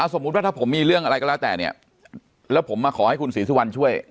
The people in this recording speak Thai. สมมุติว่าถ้าผมมีเรื่องอะไรก็แล้วแต่เนี่ยแล้วผมมาขอให้คุณศรีสุวรรณช่วย